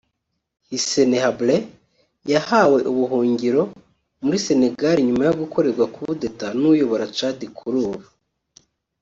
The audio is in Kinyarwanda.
Hissène Habré yahawe ubuhungiro muri Sénégal nyuma yo gukorerwa kudeta n’uyobora Tchad kuri ubu